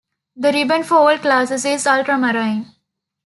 The ribbon for all classes is ultramarine.